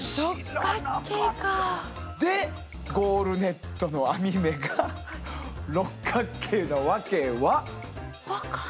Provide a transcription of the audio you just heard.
でゴールネットの編目が六角形のワケは？